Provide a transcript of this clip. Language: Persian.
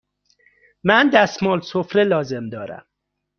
من دستمال سفره لازم دارم.